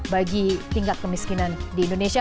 bagi tingkat kemiskinan di indonesia